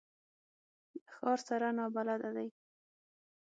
له ښار سره نابلده دي.